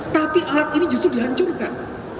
tapi alat ini justru dihancurkan